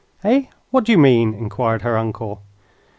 "Eh? What do you mean?" inquired her uncle.